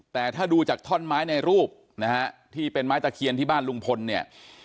แต่ถ้าดูจากท่อนไม้ในรูปนะฮะที่เป็นไม้ตะเคียนที่บ้านลุงพลเนี่ย